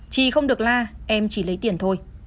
chị không được la em chỉ lấy tiền thôi